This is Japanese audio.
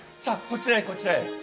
さあこちらへこちらへ。